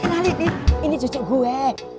kenalin ini cucuk gue